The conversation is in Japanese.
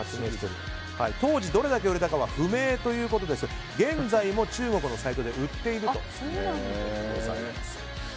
当時どれだけ売れたかは不明ということですが現在も中国のサイトで売っているということです。